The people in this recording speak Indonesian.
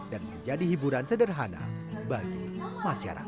dan menjadi hiburan sederhana bagi masyarakat